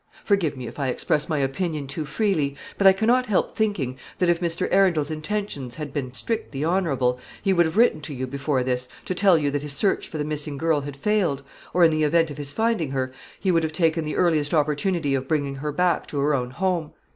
Forgive me if I express my opinion too freely; but I cannot help thinking, that if Mr. Arundel's intentions had been strictly honourable, he would have written to you before this, to tell you that his search for the missing girl had failed; or, in the event of his finding her, he would have taken the earliest opportunity of bringing her back to her own home.